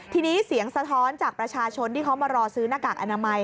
ทีนี้เสียงสะท้อนจากประชาชนที่เขามารอซื้อหน้ากากอนามัย